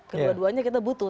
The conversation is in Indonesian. kedua duanya kita butuh